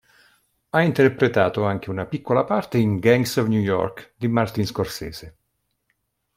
Ha interpretato anche una piccola parte in "Gangs of New York", di Martin Scorsese.